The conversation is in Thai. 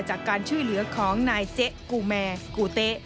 จากการช่วยเหลือของนายเจ๊กูแมสกูเต๊ะ